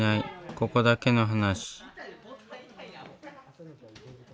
ここだけの話。